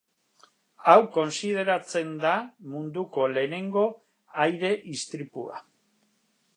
Hau kontsideratzen da munduko lehenengo aire istripua.